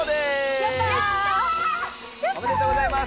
やった！おめでとうございます。